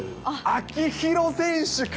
秋広選手か。